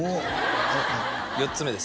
４つ目です